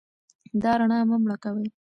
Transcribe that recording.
دا رڼا مه مړه کوئ.